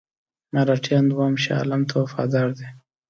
مرهټیان دوهم شاه عالم ته وفادار دي.